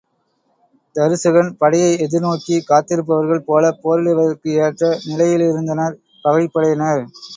தருசகன் படையை எதிர்நோக்கி காத்திருப்பவர்கள் போலப் போரிடுவதற்கு ஏற்ற நிலையிலிருந்தனர் பகைப் படையினர்.